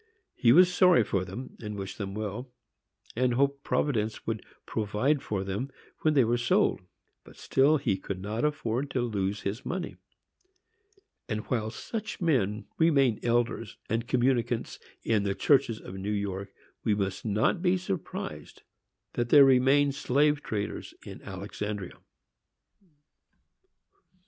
He was sorry for them, and wished them well, and hoped Providence would provide for them when they were sold, but still he could not afford to lose his money; and while such men remain elders and communicants in churches in New York, we must not be surprised that there remain slave traders in Alexandria.